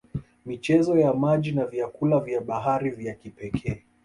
Michezo ya maji na vyakula vya bahari vya kipekee